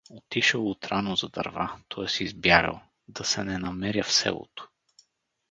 Отишел отрано за дърва, т. е. избягал, да се не намеря в селото.